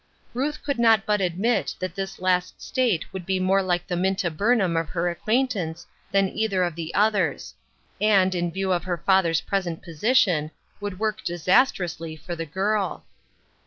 Ruth could not but admit that this last state would be more like the Minta Burnham of her acquaintance than either of the others ; and, in view of her father's present position, would work disastrously for the girl.